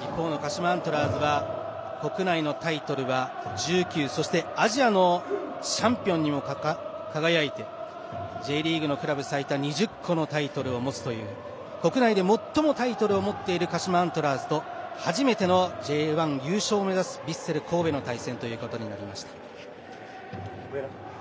一方の鹿島アントラーズは国内のタイトルは１９そしてアジアのチャンピオンにも輝いてＪリーグのクラブ最多２０の国内で最もタイトルを持っている鹿島アントラーズと初めてのＪ１優勝を目指すヴィッセル神戸の対戦です。